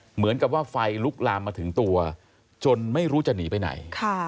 เหมือนกับว่าไฟลุกลามมาถึงตัวจนไม่รู้จะหนีไปไหน